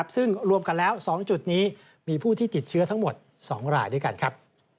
ซึ่งรวมกันแล้ว๒จุดนี้มีผู้ที่ติดเชื้อทั้งหมด๒รายด้วยกันครับ